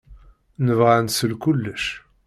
Nebɣa ad nsel kullec.